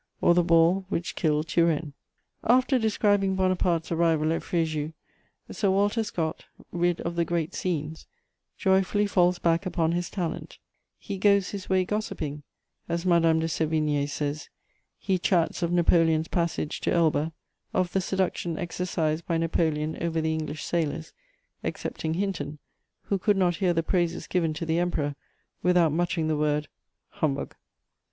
or the ball which killed Turenne. After describing Bonaparte's arrival at Fréjus, Sir Walter Scott, rid of the great scenes, joyfully falls back upon his talent; he "goes his way gossiping," as Madame de Sévigné says; he chats of Napoleon's passage to Elba, of the seduction exercised by Napoleon over the English sailors, excepting Hinton, who could not hear the praises given to the Emperor without muttering the word "humbug."